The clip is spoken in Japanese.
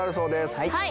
はい。